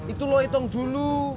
itu lu hitung dulu